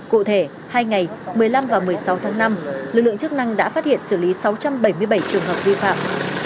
cụ thể hai ngày một mươi năm và một mươi sáu tháng năm lực lượng chức năng đã phát hiện xử lý sáu trăm bảy mươi bảy trường hợp vi phạm